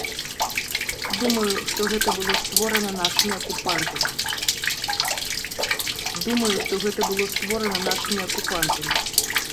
Думаю, што гэта было створана нашымі акупантамі.